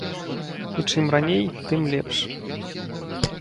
І чым раней, тым лепш.